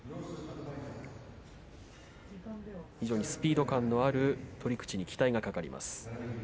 スピード感のある取組に期待がかかります。